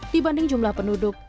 dibanding jumlah penduduk